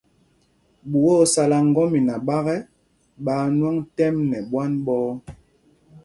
Ɓuá ó sálá ŋgɔ́mina ɓak ɛ, ɓaa ŋwɔŋ tɛ́m nɛ ɓwán ɓɔ̄ɔ̄.